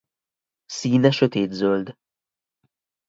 Színe sötétzöld.